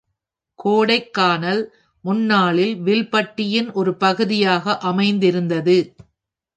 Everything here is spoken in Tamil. கோடைக்கானல், முன்னாளில் வில்பட்டியின் ஒரு பகுதியாக அமைந்திருந்தது.